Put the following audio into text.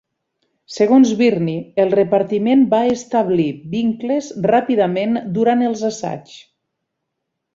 Segons Byrne, el repartiment va establir vincles ràpidament durant els assaigs.